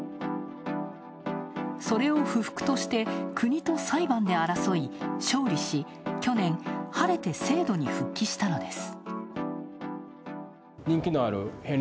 それを不服として、国と裁判で争い勝利し、去年、晴れて制度に復帰したのです。